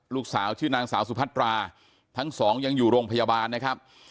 ลูกสาวชื่อนางสาวสุพัตราทั้งสองยังอยู่โรงพยาบาลนะครับ